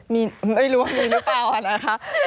มีไม่รู้ว่ามีหรือเปล่านะคะ